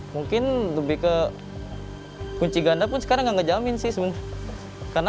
mungkin lebih ke kunci ganda pun sekarang nggak ngejamin sih sebenarnya